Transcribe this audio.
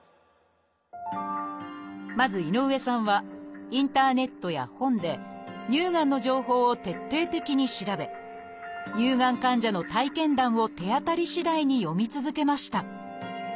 まず井上さんはインターネットや本で乳がんの情報を徹底的に調べ乳がん患者の体験談を手当たりしだいに読み続けました。